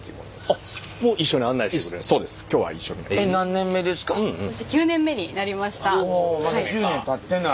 あまだ１０年たってない。